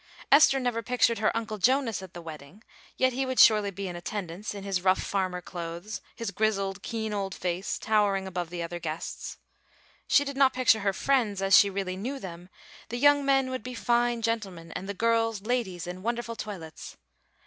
Esther never pictured her uncle Jonas at the wedding, yet he would surely be in attendance in his rough farmer clothes, his grizzled, keen old face towering above the other guests. She did not picture her friends as she really knew them; the young men would be fine gentlemen, and the girls ladies in wonderful toilets.